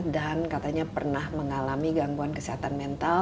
dan katanya pernah mengalami gangguan kesehatan mental